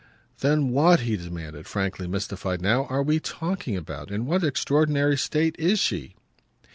"Then what," he demanded, frankly mystified now, "are we talking about? In what extraordinary state IS she?"